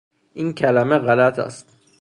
این کلمه غلط است